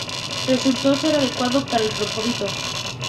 Resultó ser adecuado para el propósito.